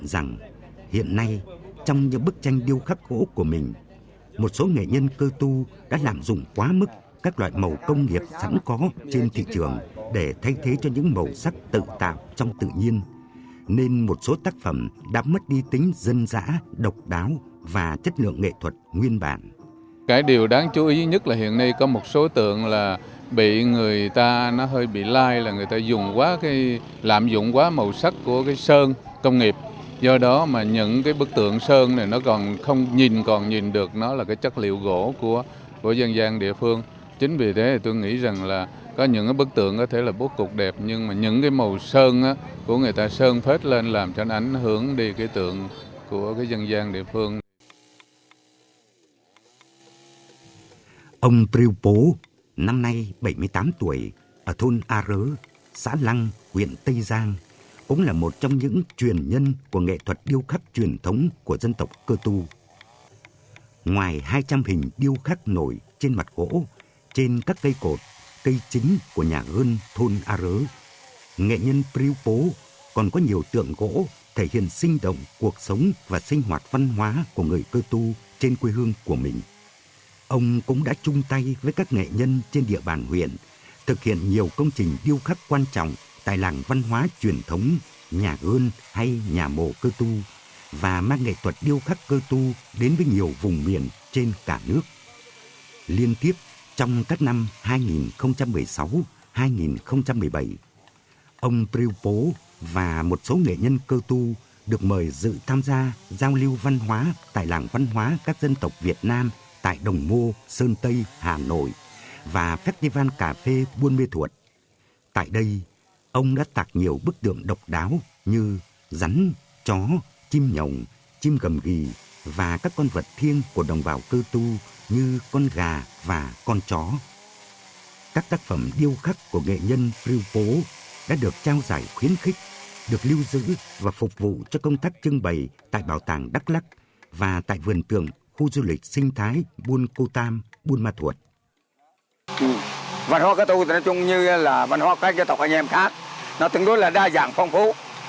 văn hóa cá tu nói chung như là văn hóa các dân tộc của anh em khác nó tương đối là đa dạng phong phú thì nó đã có từ lâu đời rồi ví dụ như nghề điêu khắc ở đây nghề cá tu hoặc là cá cóch đó mình chỉ ra tiếng của thông tức là điêu khắc thì cái từ cá cóch nó đã có từ hồi nào rồi từ xa xưa rồi tức là các ông các cụ ngày xưa làm làng này làm nhà mồ này nhất là làm nhà cưa đó nhưng mà không thể thiếu được cái nhà điêu khắc mà cái điêu khắc của họ thì phải nói rằng là cũng rất là đa dạng rất là phong phú